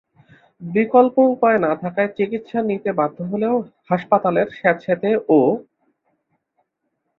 বিকল্প উপায় না থাকায় চিকিৎসা নিতে বাধ্য হলেও হাসপাতালের স্যাঁতসেঁতে ও...